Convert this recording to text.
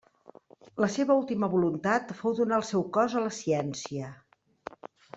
La seva última voluntat fou donar el seu cos a la ciència.